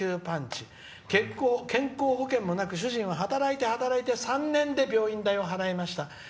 健康保険もなく主人は働いて働いて３年で病院代を払いました。